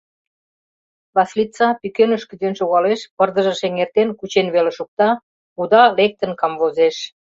Васлица пӱкеныш кӱзен шогалеш, пырдыжыш эҥертен, кучен веле шукта — пуда лектын камвозеш.